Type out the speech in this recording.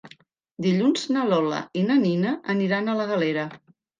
Dilluns na Lola i na Nina aniran a la Galera.